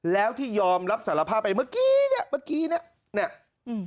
แล้วที่ยอมรับสารภาพไปเมื่อกี้เนี้ยเมื่อกี้เนี้ยเนี้ยอืม